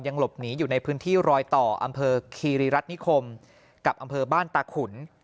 หลบหนีอยู่ในพื้นที่รอยต่ออำเภอคีรีรัฐนิคมกับอำเภอบ้านตาขุน